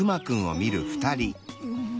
うん。